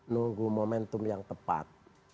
nunggu momentum yang tepat